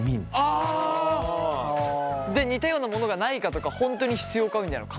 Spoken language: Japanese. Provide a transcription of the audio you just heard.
あ！で似たようなものがないかとか本当に必要かみたいなのを考えるんだ。